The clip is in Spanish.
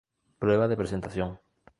Prueba de presentación.